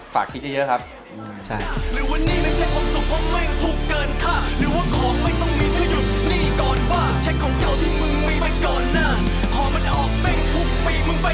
ฝากคิดเยอะครับ